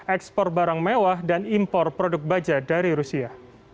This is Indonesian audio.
ekspor barang mewah dan impor produk baja dari rusia